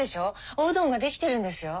おうどんが出来てるんですよ。